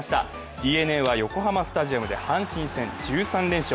ＤｅＮＡは横浜スタジアムで阪神戦１３連勝。